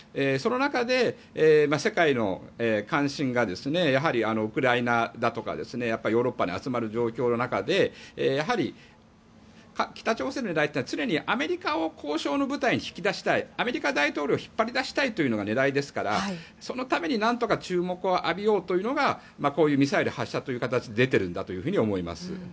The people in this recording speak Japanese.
その中で世界の関心がウクライナだとかヨーロッパに集まる状況の中で北朝鮮の狙いというのは常にアメリカを交渉の舞台に引き出したいアメリカ大統領を引っ張り出したいというのが狙いですからそのためになんとか注目を浴びようというのがこういうミサイル発射という形で出ているんだと思います。